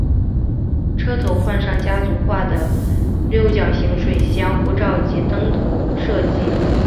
车头换上家族化的六角形水箱护罩及头灯设计。